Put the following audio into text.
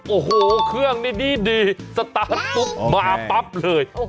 โอ้โหเครื่องนี้ดีสตาร์ทปุ๊บมาปั๊บเลย